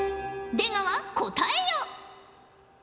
出川答えよ。